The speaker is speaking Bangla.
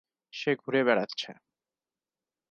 সে ঘুরে বেরাচ্ছে।